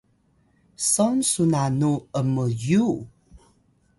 sawn su nanu ’myuw?